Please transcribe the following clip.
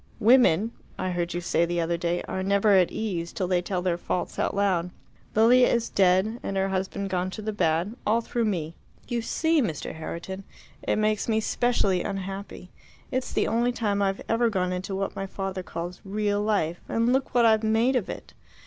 Women I heard you say the other day are never at ease till they tell their faults out loud. Lilia is dead and her husband gone to the bad all through me. You see, Mr. Herriton, it makes me specially unhappy; it's the only time I've ever gone into what my father calls 'real life' and look what I've made of it!